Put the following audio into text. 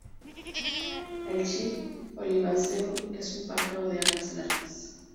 El chip oliváceo es un pájaro de alas largas.